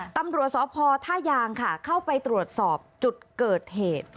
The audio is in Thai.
ตำรวจสพท่ายางค่ะเข้าไปตรวจสอบจุดเกิดเหตุ